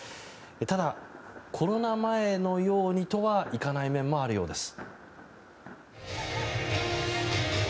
ただ、コロナ前のようにとはいかない面もあるようです。